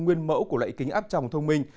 nguyên mẫu của loại kính áp tròng thông minh